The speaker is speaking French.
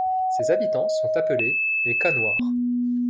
Ses habitants sont appelés les Canouhards.